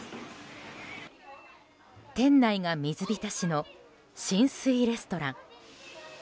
店内が水浸しの浸水レストラン。